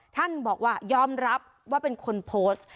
ท่านบอกว่ายอมรับว่าเป็นคนโพสต์